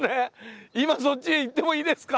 今そっちへ行ってもいいですか？